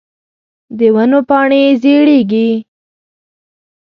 د ونو پاڼی زیړیږې